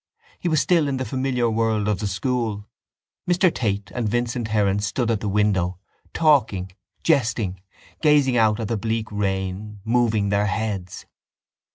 He was still in the familiar world of the school. Mr Tate and Vincent Heron stood at the window, talking, jesting, gazing out at the bleak rain, moving their heads.